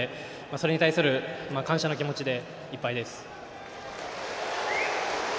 それに対する感謝の気持ちでいっぱいです。